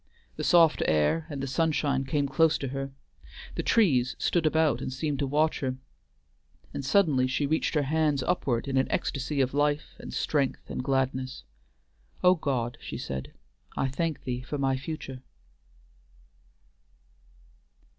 The soft air and the sunshine came close to her; the trees stood about and seemed to watch her; and suddenly she reached her hands upward in an ecstasy of life and strength and gladness. "O God," she said, "I thank thee for my future."